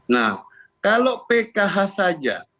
nah kalau pkh saja